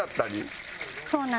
そうなんです。